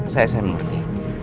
saya saya mengerti